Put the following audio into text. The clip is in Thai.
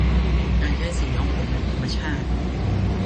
การใช้สีย้อมผมแบบธรรมชาติ